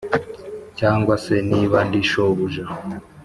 Cyangwa se niba ndi shobuja